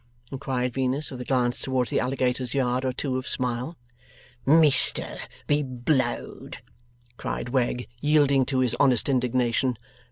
inquired Venus, with a glance towards the alligator's yard or two of smile. 'Mister be blowed!' cried Wegg, yielding to his honest indignation.